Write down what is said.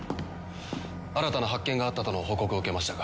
新たな発見があったとの報告を受けましたが。